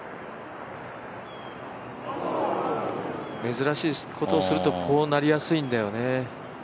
珍しいことをすると、こうなりやすいんだよね。